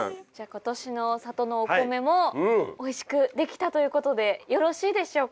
今年の里のお米もおいしくできたということでよろしいでしょうか？